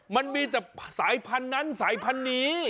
มันมีแต่สายพันธุ์นั้นสายพันธุ์นี้